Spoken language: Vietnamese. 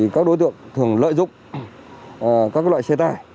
các đối tượng thường lợi dụng các loại xe tải